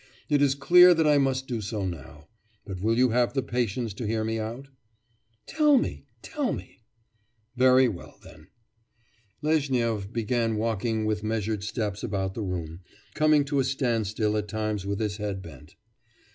It is clear that I must do so now. But will you have the patience to hear me out?' 'Tell me, tell me!' 'Very well, then.' Lezhnyov began walking with measured steps about the room, coming to a standstill at times with his head bent.